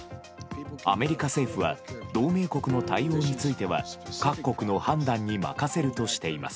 アメリカ政府は同盟国の対応については各国の判断に任せるとしています。